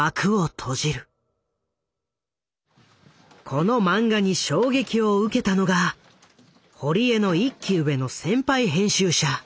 この漫画に衝撃を受けたのが堀江の１期上の先輩編集者